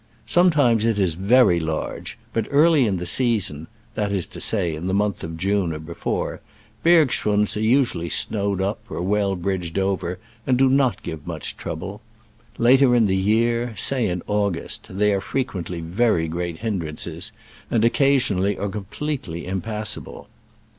Sometimes it is very large, but early in the season (that is to say, in the month of June or before) bergschrunds are usually snowed up or well bridged over, and do not give much trouble. Later in the year, say in August, they are frequently very great hindrances, and occasionally are com pletely impassable.